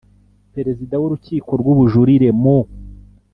perezida w urukiko rw ubujurire mu